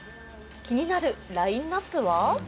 気になるラインナップは？